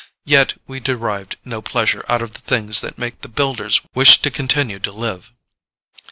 Yet we derived no pleasure out of the things that make the Builders wish to continue to live.